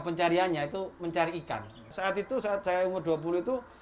perusahaan yang paling penting adalah perusahaan yang paling penting